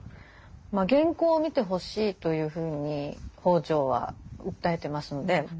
原稿を見てほしいというふうに北條は訴えてますのでまあ